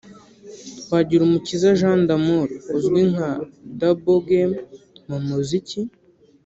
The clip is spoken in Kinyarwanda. Twagirumukiza Jean d'Amour uzwi nka Double Game mu muziki